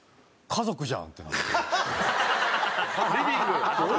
家族じゃんってなった？